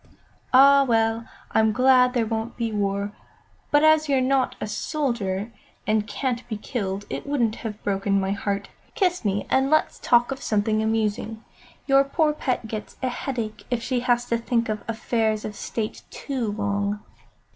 "Ah, well, I'm glad there won't be war; but as you're not a soldier, and can't be killed, it wouldn't have broken my heart. Kiss me and let's talk of something amusing. Your poor pet gets a headache if she has to think of affairs of State too long."